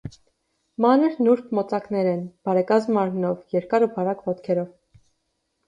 Մանր, նուրբ մոծակներ են՝ բարեկազմ մարմնով, երկար ու բարակ ոտքերով։